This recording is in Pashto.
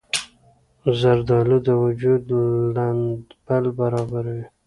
زردالو د وجود لندبل برابروي.